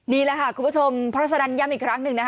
นี่แหละค่ะคุณผู้ชมพระราชดันยำอีกครั้งหนึ่ง